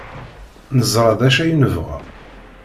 Neẓra d acu ay nebɣa.